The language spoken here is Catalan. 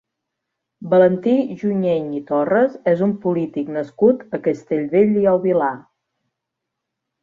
Valentí Junyent i Torras és un polític nascut a Castellbell i el Vilar.